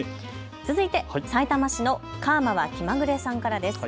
続いて、さいたま市のカーマは気まぐれさんからです。